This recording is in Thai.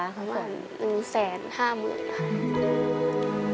ประมาณ๑๕๐๐๐๐๐บาท